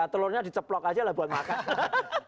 telurnya diceplok aja lah buat makan